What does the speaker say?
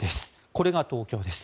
これが東京です。